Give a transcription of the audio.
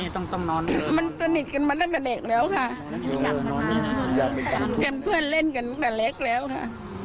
ต้องเป็นเพื่อนเล่นกันตั้งแต่เล็กแล้วค่ะ